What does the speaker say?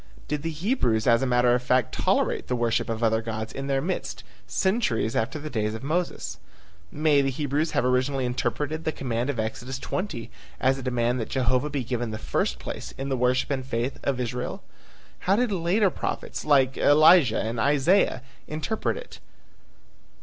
Did the Hebrews as a matter of fact tolerate the worship of other gods in their midst centuries after the days of Moses? May the Hebrews have originally interpreted the command of Exodus 20 as a demand that Jehovah be given the first place in the worship and faith of Israel? How did later prophets like Elijah and Isaiah interpret it?